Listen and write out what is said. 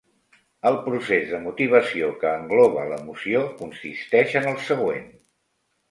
El procés de motivació, que engloba l'emoció, consisteix en el següent: